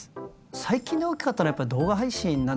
最近で大きかったのはやっぱ動画配信なんですね。